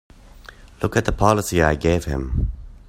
Look at the policy I gave him!